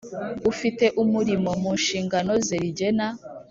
Ufite umurimo mu nshingano ze rigena